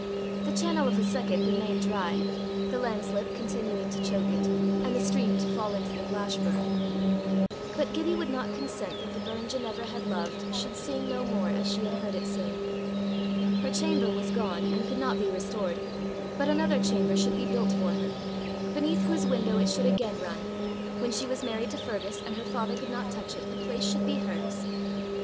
The channel of the second remained dry, the landslip continuing to choke it, and the stream to fall into the Glashburn. But Gibbie would not consent that the burn Ginevra had loved should sing no more as she had heard it sing. Her chamber was gone, and could not be restored, but another chamber should be built for her, beneath whose window it should again run: when she was married to Fergus, and her father could not touch it, the place should be hers.